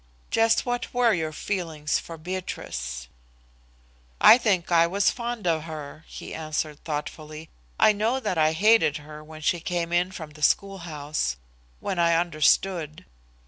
Just what were your feelings for Beatrice?" "I think I was fond of her," he answered thoughtfully. "I know that I hated her when she came in from the schoolhouse when I understood.